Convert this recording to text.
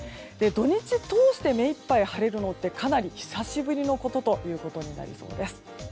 土日通してめいっぱい晴れるのってかなり久しぶりのことということになりそうです。